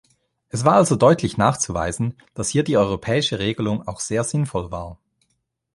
Es war also deutlich nachzuweisen, dass hier die europäische Regelung auch sehr sinnvoll war.